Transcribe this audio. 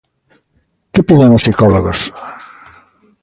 Que piden os psicólogos?